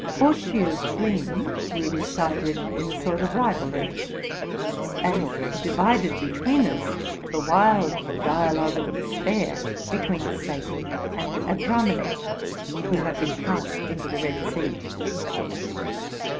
Porcia's dream we recited in a sort of rivalry, and divided between us the wild dialogue of despair between Satan and Adramelech, who have been cast into the Red Sea.